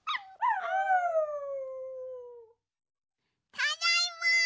ただいま！